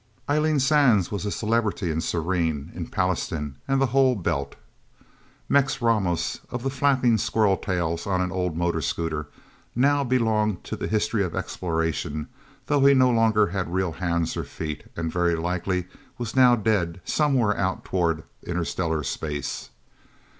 Eileen Sands was a celebrity in Serene, in Pallastown and the whole Belt. Mex Ramos of the flapping squirrel tails on an old motor scooter now belonged to the history of exploration, though he no longer had real hands or feet, and, very likely, was now dead, somewhere out toward interstellar space.